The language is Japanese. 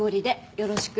よろしく。